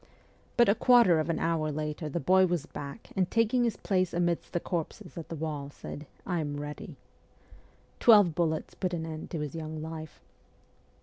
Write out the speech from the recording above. But a quarter of an hour later the boy was back and, taking his place amidst the corpses at the wall, said :' I am ready.' Twelve bullets put an end to his young life.